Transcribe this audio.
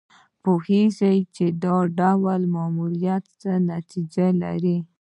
پوهېږي چې دا ډول ماموریت څه نتیجه لري.